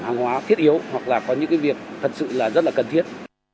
hàng hóa thiết yếu hoặc là có những việc thật sự là rất là cần thiết